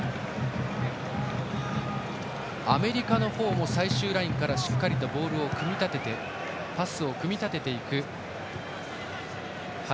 アメリカの方も最終ラインからしっかりとボールを組み立ててパスを組み立てていく。